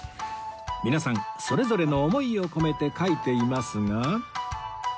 皆さんそれぞれの思いを込めて書いていますが